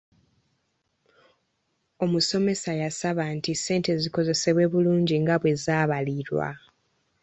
Omusomesa yasaba nti ssente zikozesebwe bulungi nga bwe zaabalirirwa.